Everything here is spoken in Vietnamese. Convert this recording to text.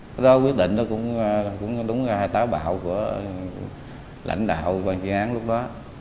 cái đó quyết định đó cũng đúng là táo bạo của lãnh đạo quan chuyên án lúc đó